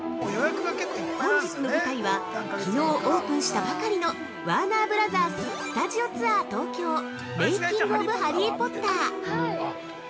◆本日の舞台は、きのうオープンしたばかりの「ワーナーブラザーススタジオツアー東京メイキング・オブ・ハリー・ポッター」